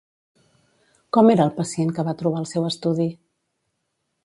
Com era el pacient que va trobar al seu estudi?